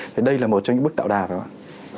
thì đây là một trong những bước tạo đà phải không ạ